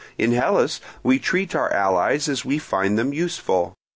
In Hellas we treat our allies as we find them useful.